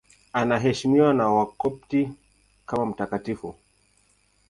Anaheshimiwa na Wakopti kama mtakatifu.